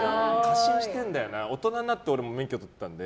大人になって俺も免許を取ったので。